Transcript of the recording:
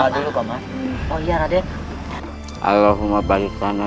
baca doa dulu pak ma